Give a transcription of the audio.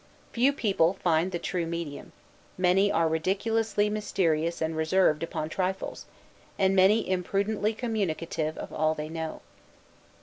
Few people find the true medium; many are ridiculously mysterious and reserved upon trifles; and many imprudently communicative of all they know.